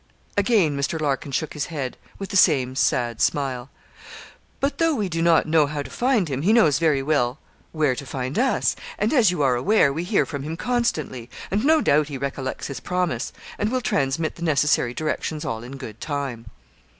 Again Mr. Larkin shook his head, with the same sad smile. 'But, though we do not know how to find him, he knows very well where to find us and, as you are aware, we hear from him constantly and no doubt he recollects his promise, and will transmit the necessary directions all in good time.'